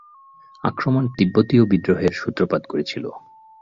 আক্রমণ তিব্বতীয় বিদ্রোহের সূত্রপাত করেছিল।